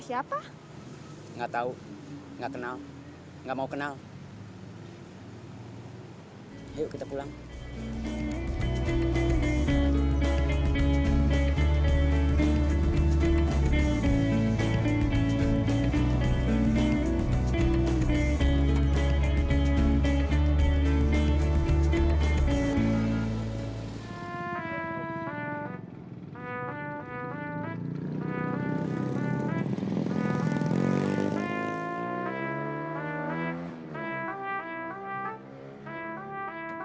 suka maumu kamu mau bersaing sama saya